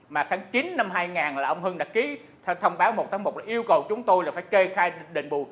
mà tháng chín năm hai nghìn là ông hưng đặt ký thông báo một trăm tám mươi một yêu cầu chúng tôi là phải kê khai định bù